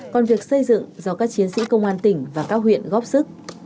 còn việc xây dựng do các chiến sĩ công an tỉnh và các huyện góp sức